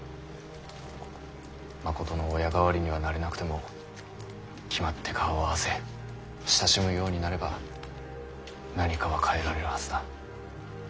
まことの親代わりにはなれなくても決まって顔を合わせ親しむようになれば何かは変えられるはずだ。